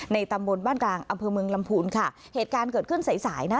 ตำบลบ้านกลางอำเภอเมืองลำพูนค่ะเหตุการณ์เกิดขึ้นสายสายนะ